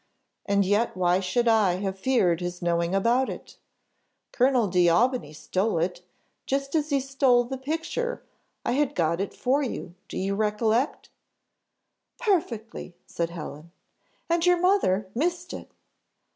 and yet why should I have feared his knowing about it? Colonel D'Aubigny stole it, just as he stole the picture. I had got it for you, do you recollect?" "Perfectly," said Helen, "and your mother missed it."